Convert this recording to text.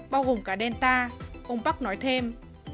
bao gồm cả delta ông park nói thêm